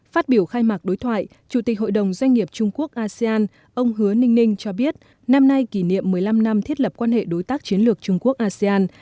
phát biểu khai mạc đối thoại chủ tịch hội đồng doanh nghiệp trung quốc asean ông hứa ninh ninh cho biết năm nay kỷ niệm một mươi năm năm thiết lập quan hệ đối tác chiến lược trung quốc asean